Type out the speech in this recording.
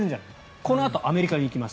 このあとアメリカに行きます。